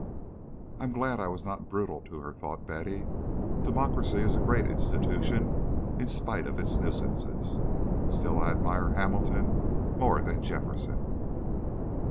"I am glad I was not brutal to her," thought Betty. "Democracy is a great institution in spite of its nuisances. Still, I admire Hamilton more than Jefferson."